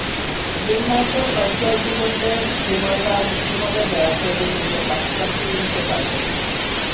ডেনমার্কের ভারচুয়াল ভূখণ্ডে গেমাররা মুক্তভাবে বেড়াতে এবং নিজের বাসস্থান খুঁজে নিতে পারবেন।